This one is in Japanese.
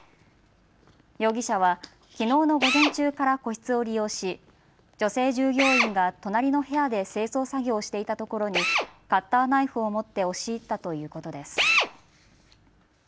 容疑者はきのうの午前中から個室を利用し女性従業員が隣の部屋で清掃作業をしていたところにカッターナイフを持って押し入ったということです。